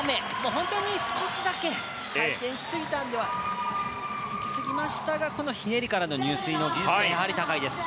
本当に少しだけ回転しすぎた、行き過ぎましたがひねりからの入水の技術はやはり高いです。